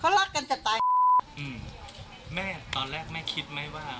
รักกันจะตายอืมแม่ตอนแรกแม่คิดไหมว่า